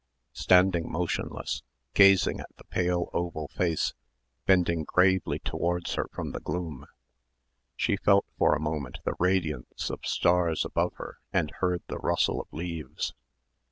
Standing motionless, gazing at the pale oval face bending gravely towards her from the gloom, she felt for a moment the radiance of stars above her and heard the rustle of leaves.